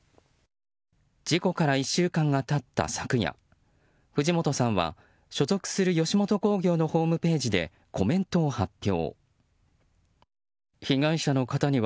事故から１週間が経った昨夜藤本さんは、所属する吉本興業のホームページでコメントを発表。